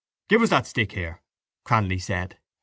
—Give us that stick here, Cranly said.